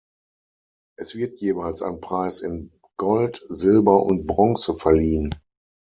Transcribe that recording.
Es wird jeweils ein Preis in Gold, Silber und Bronze verliehen.